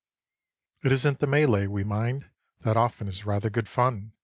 It isn't the melee we mind. That often is rather good fun.